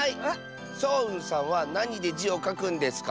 そううんさんはなにで「じ」をかくんですか？